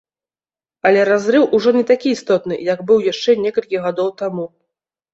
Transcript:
Але разрыў ужо не такі істотны, як быў яшчэ некалькі гадоў таму.